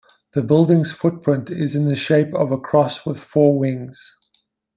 The building's footprint is in the shape of a cross with four wings.